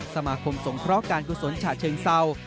สมาคมสงเคราะห์การกุศลฉะเชิงเศร้า